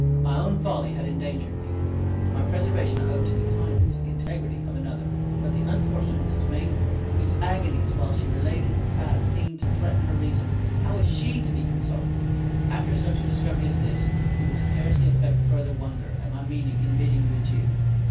My own folly had endangered me, my preservation I owe to the kindness, the integrity of another; but the unfortunate Mrs. Mainwaring, whose agonies while she related the past seemed to threaten her reason, how is she to be consoled! After such a discovery as this, you will scarcely affect further wonder at my meaning in bidding you adieu.